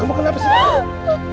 kamu kena apa sayang